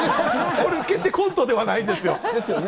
これ、決してコントではないですよね。